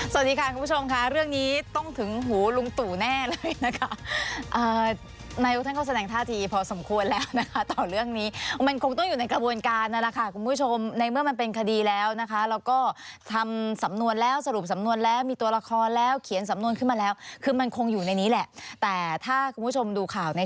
สวัสดีค่ะคุณผู้ชมค่ะเรื่องนี้ต้องถึงหูลุงตู่แน่เลยนะคะนายกท่านก็แสดงท่าทีพอสมควรแล้วนะคะต่อเรื่องนี้มันคงต้องอยู่ในกระบวนการนั่นแหละค่ะคุณผู้ชมในเมื่อมันเป็นคดีแล้วนะคะแล้วก็ทำสำนวนแล้วสรุปสำนวนแล้วมีตัวละครแล้วเขียนสำนวนขึ้นมาแล้วคือมันคงอยู่ในนี้แหละแต่ถ้าคุณผู้ชมดูข่าวใน